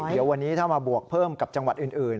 เดี๋ยววันนี้ถ้ามาบวกเพิ่มกับจังหวัดอื่น